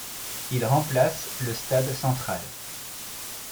Il remplace le stade central.